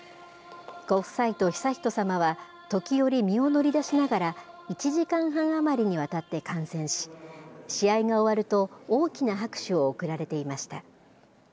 ご夫妻と悠仁さまは、時折、身を乗り出しながら、１時間半余りにわたって観戦し、試合が終わると大きな拍手を送られていました。